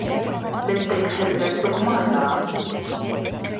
Белдекһеҙгә сукмар ҙа аҙ.